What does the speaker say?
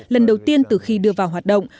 lần đầu tiên từ khi đưa vào hoạt động